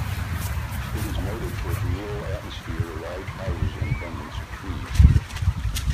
It is noted for its rural atmosphere, large houses and abundance of trees.